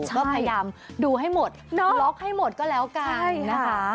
ก็พยายามดูให้หมดล็อกให้หมดก็แล้วกันนะคะ